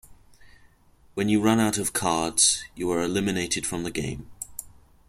When you run out of cards you are eliminated from the game.